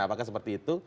apakah seperti itu